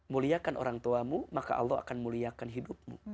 muliakan orang tuamu maka allah akan muliakan hidupmu